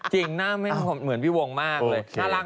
จริงหน้าไม่เหมือนพี่วงมากเลย